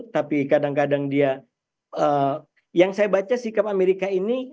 tapi kadang kadang dia yang saya baca sikap amerika ini